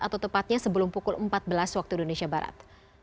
atau tepatnya sebelum pukul empat belas waktu indonesia barat